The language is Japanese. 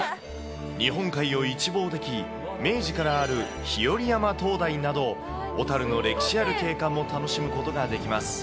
日本海を一望でき、明治からある日和山灯台など、小樽の歴史ある景観も楽しむことができます。